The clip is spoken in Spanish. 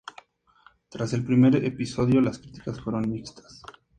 Tras el primer episodio, las críticas fueron mixtas.